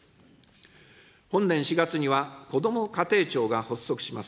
本年４月には、こども家庭庁が発足します。